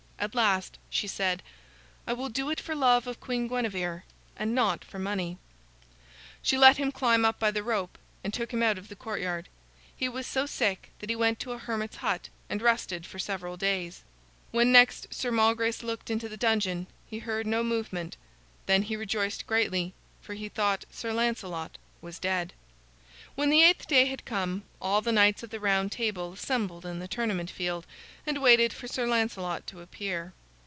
At last she said: "I will do it for love of Queen Guinevere and not for money." She let him climb up by the rope, and took him out of the courtyard. He was so sick that he went to a hermit's hut and rested for several days. When next Sir Malgrace looked into the dungeon he heard no movement. Then he rejoiced greatly, for he thought Sir Lancelot was dead. When the eighth day had come, all the knights of the Round Table assembled in the tournament field and waited for Sir Lancelot to appear.